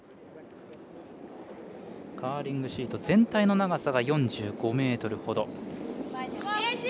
カーリングシート全体の長さが４５ｍほど。